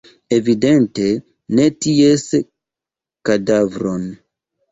Evidente ne ties kadavron.